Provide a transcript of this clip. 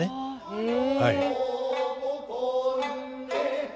へえ。